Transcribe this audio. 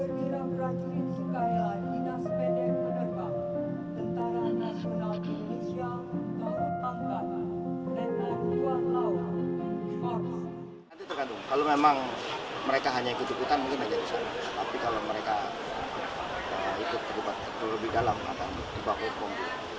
nanti tergantung kalau memang mereka hanya ikut hutan mungkin aja di sana tapi kalau mereka ikut berubah lebih dalam akan berubah kembali